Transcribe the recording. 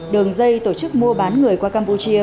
đường dây tổ chức mua bán người qua campuchia